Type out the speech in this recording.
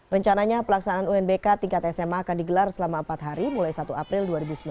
rencananya pelaksanaan unbk tingkat sma akan digelar selama empat hari mulai satu april dua ribu sembilan belas